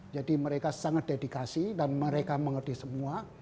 jadi mereka sangat dedikasi dan mereka mengerti semua